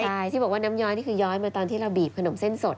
ใช่ที่บอกว่าน้ำย้อยนี่คือย้อยมาตอนที่เราบีบขนมเส้นสด